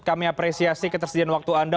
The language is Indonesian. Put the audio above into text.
kami apresiasi ketersediaan waktu anda